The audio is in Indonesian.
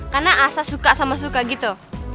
karena asas suka sama suka gitu